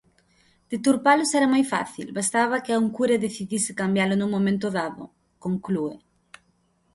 Deturpalos era moi fácil, bastaba que un cura decidise cambialo nun momento dado, conclúe.